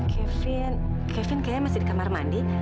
kevin kevin kayaknya masih di kamar mandi